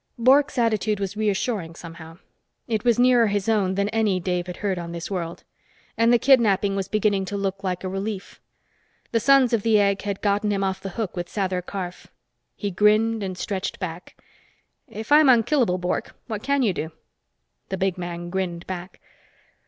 Bork's attitude was reassuring, somehow. It was nearer his own than any Dave had heard on this world. And the kidnapping was beginning to look like a relief. The Sons of the Egg had gotten him off the hook with Sather Karf. He grinned and stretched back. "If I'm unkillable, Bork, what can you do?" The big man grinned back.